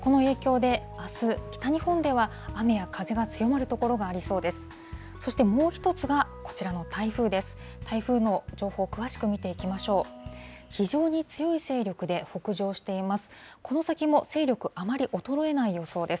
この影響であす、北日本では雨や風が強まる所がありそうです。